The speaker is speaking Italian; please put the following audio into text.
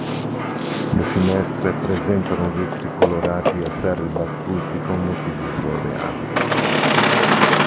Le finestre presentano vetri colorati e ferri battuti con motivi floreali.